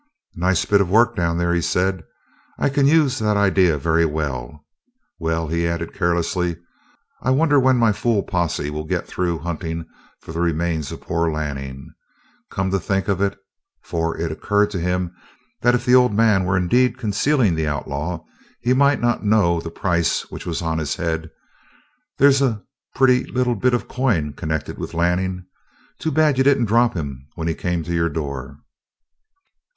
"Nice bit of work down there," he said. "I can use that idea very well. Well," he added carelessly, "I wonder when my fool posse will get through hunting for the remains of poor Lanning? Come to think of it" for it occurred to him that if the old man were indeed concealing the outlaw he might not know the price which was on his head "there's a pretty little bit of coin connected with Lanning. Too bad you didn't drop him when he came to your door."